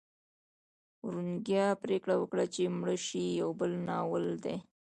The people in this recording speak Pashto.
ورونیکا پریکړه وکړه چې مړه شي یو بل ناول دی.